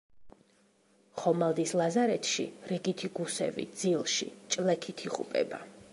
ხომალდის ლაზარეთში, რიგითი გუსევი ძილში ჭლექით იღუპება.